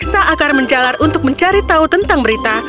mereka memeriksa akar menjalar untuk mencari tahu tentang berita